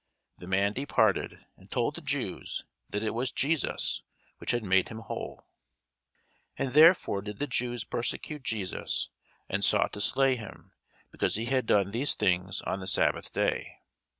The man departed, and told the Jews that it was Jesus, which had made him whole. And therefore did the Jews persecute Jesus, and sought to slay him, because he had done these things on the sabbath day.